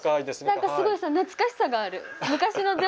何かすごいさ懐かしさがある。